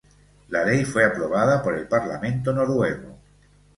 La ley fue aprobada por el parlamento noruego.